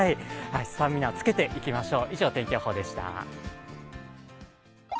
スタミナつけていきましょう。